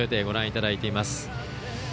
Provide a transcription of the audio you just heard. ご覧いただいています。